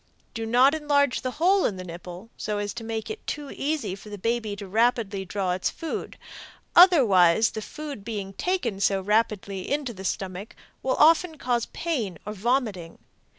Do not enlarge the hole in the nipple, so as to make it too easy for the baby to draw its food, otherwise the food being taken so rapidly into the stomach will often cause pain or vomiting.